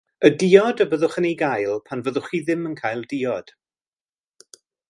Y diod y byddwch yn ei gael pan fyddwch chi ddim yn cael diod.